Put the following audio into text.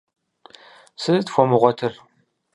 Сытыт фхуэмыгъуэтыр?